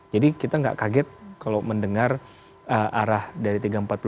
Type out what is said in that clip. jadi kita tidak kaget kalau mendengar arah dari tiga ratus empat puluh khp